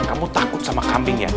kamu takut sama kambing ya